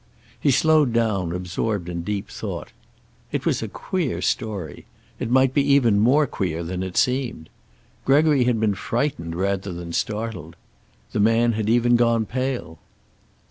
He slowed down, absorbed in deep thought. It was a queer story. It might be even more queer than it seemed. Gregory had been frightened rather than startled. The man had even gone pale.